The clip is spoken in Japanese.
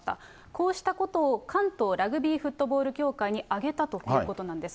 こうしたことを関東ラグビーフットボール協会にあげたということなんです。